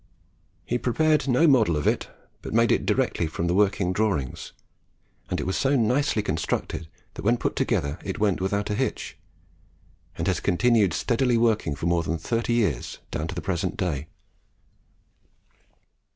He prepared no model of it, but made it direct from the working drawings; and it was so nicely constructed, that when put together it went without a hitch, and has continued steadily working for more than thirty years down to the present day.